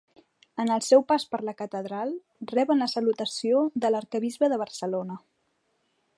En el seu pas per la catedral, reben la salutació de l'Arquebisbe de Barcelona.